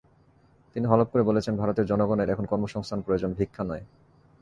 তিনি হলফ করে বলেছেন, ভারতের জনগণের এখন কর্মসংস্থান প্রয়োজন, ভিক্ষা নয়।